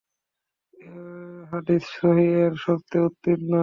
এ হাদীস সহীহ-এর শর্তে উত্তীর্ণ।